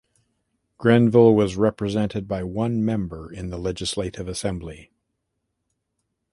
Grenville was represented by one member in the Legislative Assembly.